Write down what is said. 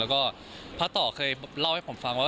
แล้วก็พระอร์ตเคยเล่าให้ผมฟัง